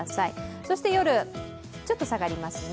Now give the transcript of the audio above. そして夜、ちょっと下がりますね。